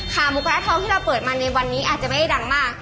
หมูกระทะทองที่เราเปิดมาในวันนี้อาจจะไม่ได้ดังมาก